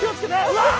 うわっ。